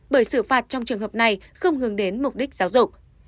bởi xử phạt trong trường hợp này không hướng đến mục đích giáo dục